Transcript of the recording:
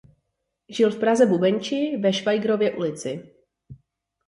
Žil v Praze Bubenči ve Schwaigrově ulici.